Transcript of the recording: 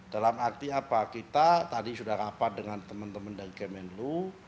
dalam arti apa kita tadi sudah rapat dengan teman teman dari kemenlu